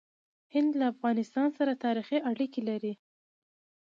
هند له افغانستان سره تاریخي اړیکې لري.